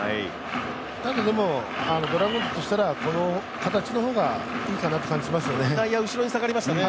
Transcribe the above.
ただ、ドラゴンズとしたらこの形の方がいいかなって感じしますよね。